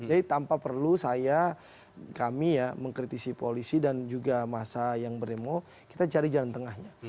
jadi tanpa perlu saya kami ya mengkritisi polisi dan juga massa yang beremo kita cari jalan tengahnya